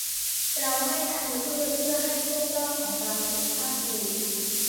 เราให้ธัญพืชเพื่อให้พวกล่อของเราสุขภาพดี